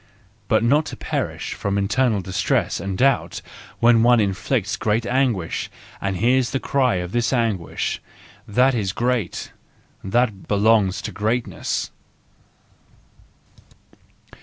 But not to perish from internal distress and doubt when one inflicts great anguish and hears the cry of this anguish—that is great, that belongs to greatness.